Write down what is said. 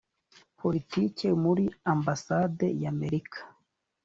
politiques muri ambassade y amerika